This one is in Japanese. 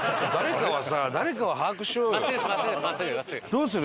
どうする？